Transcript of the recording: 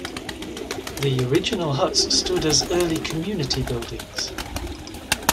The original huts stood as early community buildings.